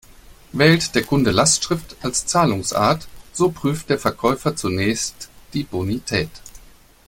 Wählt der Kunde Lastschrift als Zahlungsart, so prüft der Verkäufer zunächst die Bonität.